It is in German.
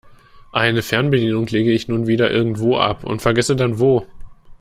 Eine Fernbedienung lege ich nur wieder irgendwo ab und vergesse dann wo.